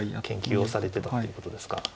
研究をされてたっていうことですか。